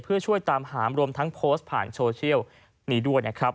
เพื่อช่วยตามหารวมทั้งโพสต์ผ่านโซเชียลนี้ด้วยนะครับ